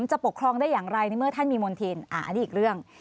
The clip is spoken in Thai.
จะปกครองได้อย่างไรในเมื่อท่านมีมณฑินอันนี้อีกเรื่อง